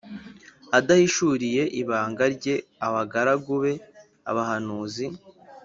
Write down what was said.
adahishuriye ibanga rye abagaragu be, abahanuzi.